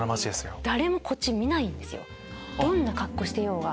どんな格好してようが。